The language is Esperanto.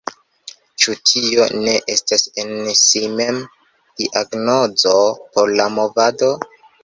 Ĉu tio ne estas en si mem diagnozo por la movado?